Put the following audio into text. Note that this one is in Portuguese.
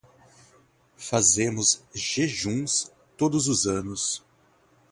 Fazemos jejuns todos os anos